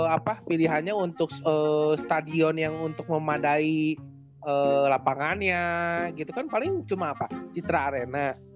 apa pilihannya untuk stadion yang untuk memadai lapangannya gitu kan paling cuma apa citra arena